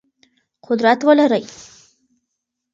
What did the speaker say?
قدرت ولرئ.